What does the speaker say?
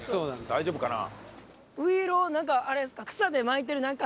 大丈夫かな？